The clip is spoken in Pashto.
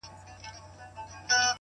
داسي نه كيږي چي اوونـــۍ كې گـــورم _